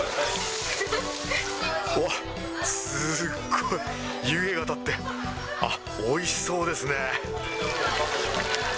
おっ、すっごい、湯気が立って、あっ、おいしそうですね。